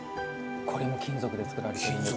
これも金属で作られてるんです。